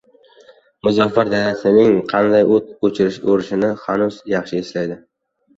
Muzaffar dadasining qanday o‘t o‘rishini hanuz yaxshi eslaydi!